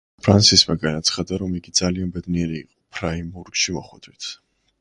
ფრანსისმა განაცხადა, რომ იგი ძალიან ბედნიერი იყო „ფრაიბურგში“ მოხვედრით.